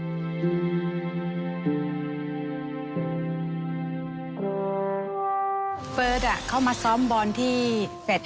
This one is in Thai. เฟิร์สเขามาซ้อมบอลที่๘๕๙ดินแดง